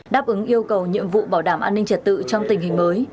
đáp ứng yêu cầu nhiệm vụ bảo đảm an ninh trật tự trong tình hình mới